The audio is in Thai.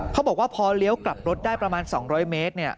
เขาบอกว่าพอเลี้ยวกลับรถได้ประมาณ๒๐๐เมตร